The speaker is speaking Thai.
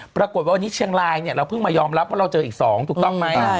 ปรากฏว่าวันนี้เชียงรายเนี่ยเราเพิ่งมายอมรับว่าเราเจออีก๒ถูกต้องไหม